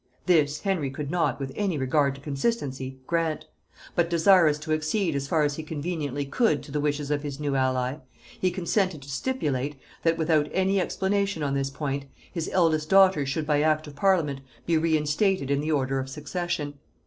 This Henry could not, with any regard to consistency, grant; but desirous to accede as far as he conveniently could to the wishes of his new ally, he consented to stipulate, that without any explanation on this point, his eldest daughter should by act of parliament be reinstated in the order of succession.